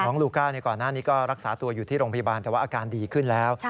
ลูก้าก่อนหน้านี้ก็รักษาตัวอยู่ที่โรงพยาบาลแต่ว่าอาการดีขึ้นแล้ว